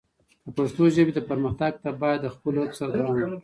د پښتو ژبې پرمختګ ته باید د خپلو هڅو سره دوام ورکړو.